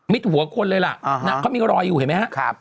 หัวคนเลยล่ะเขามีรอยอยู่เห็นไหมครับ